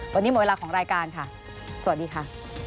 วันนี้หมดเวลาของรายการค่ะสวัสดีค่ะ